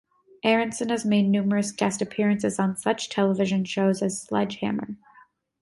Aronson has made numerous guest appearances on such television shows as Sledge Hammer!